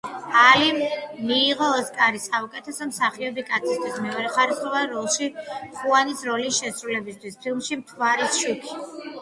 ალიმ მიიღო ოსკარი საუკეთესო მსახიობი კაცისთვის მეორეხარისხოვან როლში ხუანის როლის შესრულებისთვის ფილმში „მთვარის შუქი“.